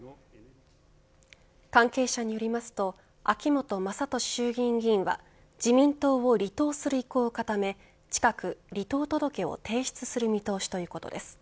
関係者によりますと秋本真利衆議院議員は自民党を離党する意向を固め近く離党届を提出する見通しということです。